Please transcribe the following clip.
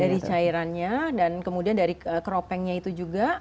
dari cairannya dan kemudian dari keropengnya itu juga